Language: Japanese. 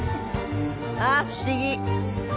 ああー不思議。